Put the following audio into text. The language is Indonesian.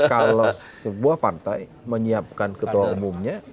kalau sebuah partai menyiapkan ketua umumnya